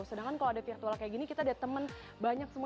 sedangkan kalau ada virtual kayak gini kita ada teman banyak semua